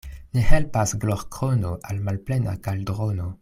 Ne helpas glorkrono al malplena kaldrono.